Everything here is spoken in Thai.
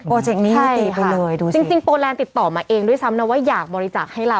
เจนนี่ตีไปเลยจริงโปรแลนด์ติดต่อมาเองด้วยซ้ำนะว่าอยากบริจาคให้เรา